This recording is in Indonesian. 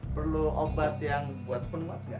perlu obat yang buat penuh nggak